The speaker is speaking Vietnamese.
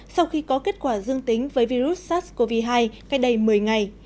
sau khi có kết quả dương tính với virus sars cov hai cách đây một mươi ngày